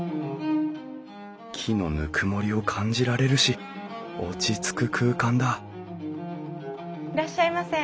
木のぬくもりを感じられるし落ち着く空間だいらっしゃいませ。